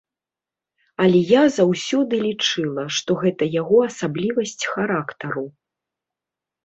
Але я заўсёды лічыла, што гэта яго асаблівасць характару.